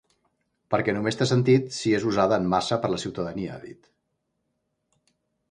Perquè només té sentit si és usada en massa per la ciutadania, ha dit.